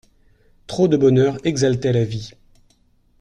Trop de bonheur exaltait la vie.